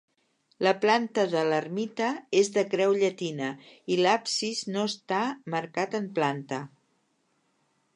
La planta de l'ermita és de creu llatina i l'absis no està marcat en planta.